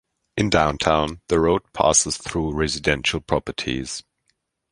In downtown the road passes through residential properties.